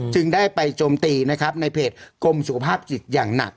จึงได้ไปโจมตีนะครับในเพจกรมสุขภาพจิตอย่างหนัก